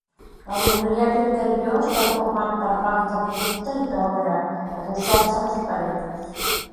El mobiliari interior està format per bancs de fusta i d’obra adossats a les parets.